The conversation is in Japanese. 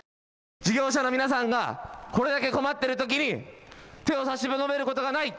事業者の皆さんがこれだけ困っているときに手を差し伸べることがない。